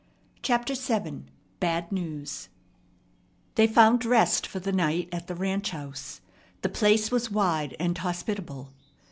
CHAPTER VII BAD NEWS They found rest for the night at the ranch house. The place was wide and hospitable.